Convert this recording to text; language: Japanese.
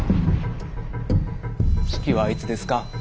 式はいつですか？